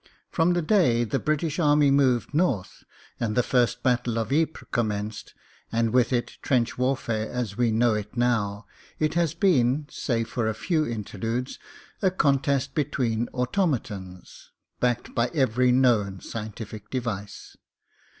From the day the British Army moved north, and the first battle of Ypres commenced — and with it trench warfare as we know it now — it has been, save for a few interludes, a contest between automatons, backed by every known scientific device.